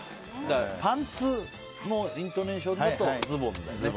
パンツのイントネーションだとズボンだよね。